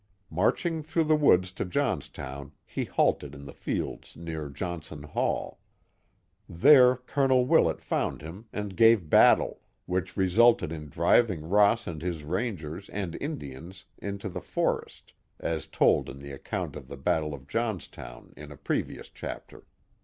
Marching through the woods to Johnstown he halted in the fields near Johnson Hall. There Colonel Willett found him and gave battle, which resulted in driving Ross and his Rangers and Indians into the forest, as told in the account of the battle of Johnstown in a previous chapter.